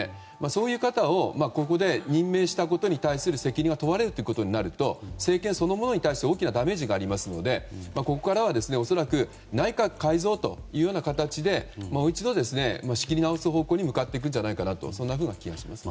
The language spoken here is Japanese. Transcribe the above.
そういう方をここで任命したことに対する責任を問われるということになると政権そのものに対する大きなダメージがありますのでここからは恐らく内閣改造というような形でもう一度、仕切りなおす方向に向かっていくんじゃないかそんなふうな気がします。